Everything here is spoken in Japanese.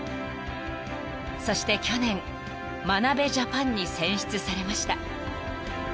［そして去年眞鍋ジャパンに選出されました］